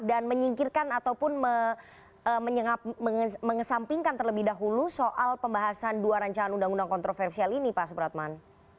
dan menyingkirkan ataupun mengesampingkan terlebih dahulu soal pembahasan dua rancangan undang undang kontroversial ini pak supratman